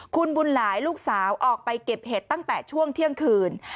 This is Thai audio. คุณบุญหลายลูกสาวออกไปเก็บเห็ดตั้งแต่ช่วงเที่ยงคืน